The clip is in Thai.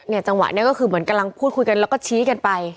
จังหวะนี้ก็คือเหมือนกำลังพูดคุยกันแล้วก็ชี้กันไป